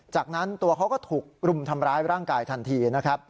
จากนั้นตัวเขาก็ถูกรุมทำร้ายร่างกายทันทีนะครับ